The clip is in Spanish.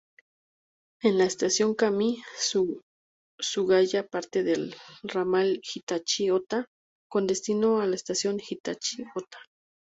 En la Estación Kami-Sugaya parte el Ramal Hitachi-Ōta con destino a la Estación Hitachi-Ōta.